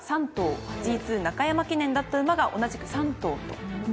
ＧⅡ中山記念だった馬が同じく３頭となってますね。